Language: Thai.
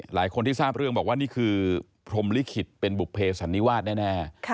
หลายคนที่ทราบเรื่องบอกว่านี่คือพรมลิขิตเป็นบุภเพสันนิวาสแน่